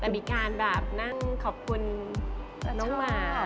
แต่มีการแบบนั่งขอบคุณน้องหมาก